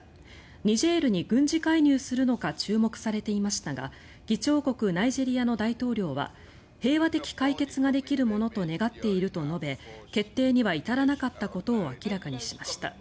ニジェールに軍事介入するのか注目されていましたが議長国ナイジェリアの大統領は平和的解決ができるものと願っていると述べ決定には至らなかったことを明らかにしました。